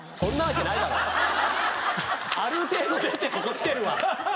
ある程度出てここ来てるわ！